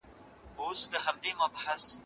کوم کتاب چي تا اخيستی و ورک سو.